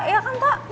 iya kan pak